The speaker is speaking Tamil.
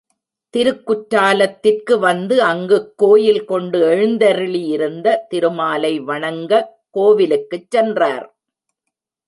திருக்குற்றாலத்திற்கு வந்து அங்குக் கோயில் கொண்டு எழுந்தருளியிருந்த திருமாலை வணங்கக் கோவிலுக்குச் சென்றார்.